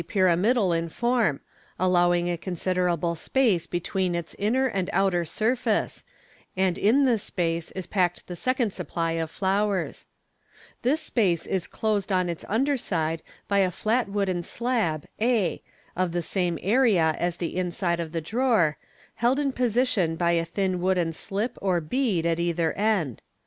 170. MODERN MA'GTC. 54: Fig. 177. pyramidal! in form, allowing a considerable space between \U inner and outer surface, and in this space is packed the second supply of flowers. This space is closed on its under side by a flit wooden slab a, of the same area as the inside of the drawer, held in position by a thin wooden slip or bead at either end.